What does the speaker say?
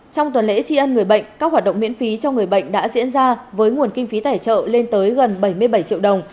trong tuần lễ tri ân người bệnh các hoạt động miễn phí cho người bệnh đã diễn ra với nguồn kinh phí tài trợ lên tới gần bảy mươi bảy triệu đồng